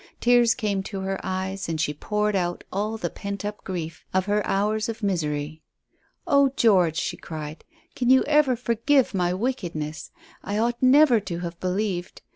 Tears came to her eyes, and she poured out all the pent up grief of her hours of misery. "Oh, George," she cried, "can you ever forgive my wickedness? I ought never to have believed.